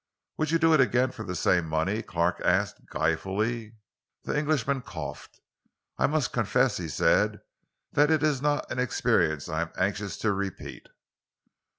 "Would you do it again for the same money?" Clark asked guilefully. The Englishman coughed. "I must confess," he said, "that it is not an experience I am anxious to repeat."